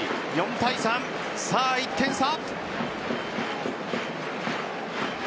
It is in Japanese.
４対３さあ１点差。